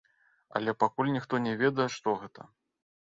Але пакуль ніхто не ведае, што гэта.